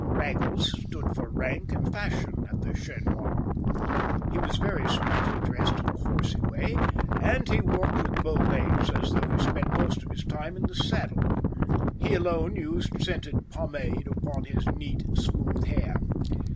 Raggles stood for rank and fashion at the Chien Noir. He was very smartly dressed in a horsey way, and he walked with bowlegs, as though he spent most of his time in the saddle. He alone used scented pomade upon his neat smooth hair.